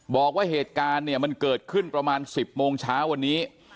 บอกว่าเหตุการณ์เนี่ยมันเกิดขึ้นประมาณ๑๐โมงเช้าวันนี้